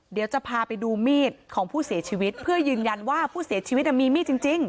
เดี๋ยวจะพาไปดูมีดของผู้เสียชีวิตเพื่อยืนยันว่าผู้เสียชีวิตมีมีดจริง